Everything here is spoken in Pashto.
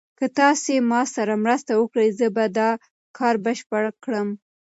که تاسي ما سره مرسته وکړئ زه به دا کار بشپړ کړم.